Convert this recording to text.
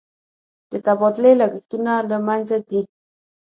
د تبادلې لګښتونه له مینځه ځي.